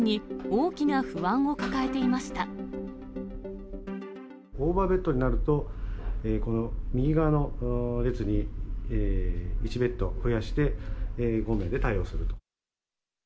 オーバーベッドになると、この右側の列に１ベッド増やして５名で対応すると。